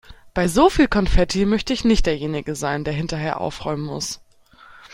Bei so viel Konfetti möchte ich nicht derjenige sein, der hinterher aufräumen muss.